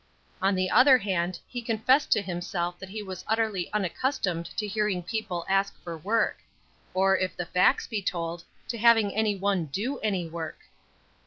On the other hand he confessed to himself that he was utterly unaccustomed to hearing people ask for work; or, if the facts be told, to having any one do any work.